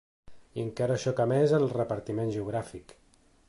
I encara xoca més el repartiment geogràfic.